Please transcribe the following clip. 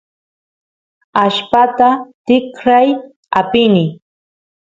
allpata tikray apini